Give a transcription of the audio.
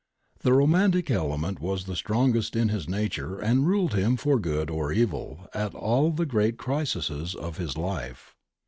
The romantic element was the strongest in his nature and ruled him for good or evil at all the great crises of his life.